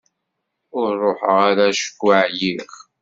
Ur ruḥeɣ ara acku εyiɣ.